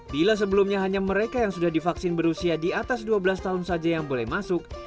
bila sebelumnya hanya mereka yang sudah divaksin berusia di atas dua belas tahun saja yang boleh masuk